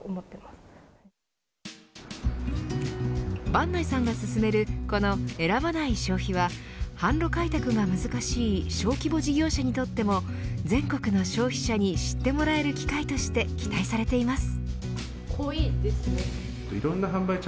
坂内さんが進めるこの選ばない消費は販路開拓が難しい小規模事業者にとっても全国の消費者に知ってもらえる機会として期待されています。